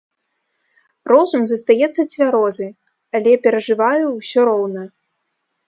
Розум застаецца цвярозы, але перажываю ўсё роўна.